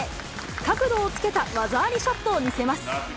角度をつけた技ありショットを見せます。